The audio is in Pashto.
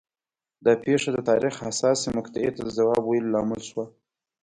دا پېښه د تاریخ حساسې مقطعې ته د ځواب ویلو لامل شوه